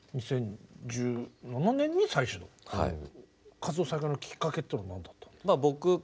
活動再開のきっかけっていうのは何だったんですか？